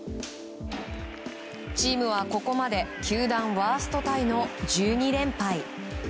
チームはここまで球団ワーストタイの１２連敗。